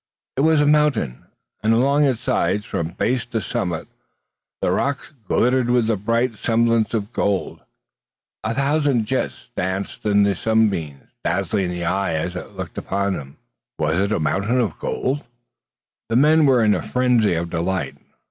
It was a mountain, and along its sides, from base to summit, the rocks glittered with the bright semblance of gold! A thousand jets danced in the sunbeams, dazzling the eye as it looked upon them. Was it a mountain of gold? The men were in a frenzy of delight.